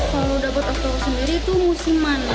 kalau dapat after sendiri itu musiman